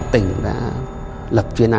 tỉnh đã lập chuyên án